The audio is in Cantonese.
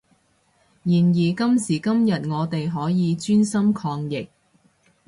然而今時今日我哋可以專心抗疫